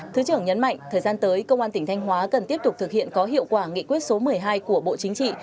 thứ trưởng nhấn mạnh thời gian tới công an tỉnh thanh hóa cần tiếp tục thực hiện có hiệu quả nghị quyết số một mươi hai của bộ chính trị